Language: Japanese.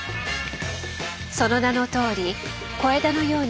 その名のとおり「小枝のように」